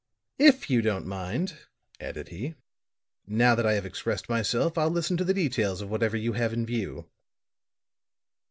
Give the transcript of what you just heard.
"If you don't mind," added he, "now that I have expressed myself, I'll listen to the details of whatever you have in view."